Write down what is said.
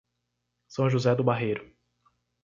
São José do Barreiro